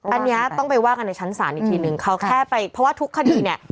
อันนี้ต้องไปว่ากันในชั้นศาลอีกทีนึงเขาแค่ไปเพราะว่าทุกคดีเนี่ย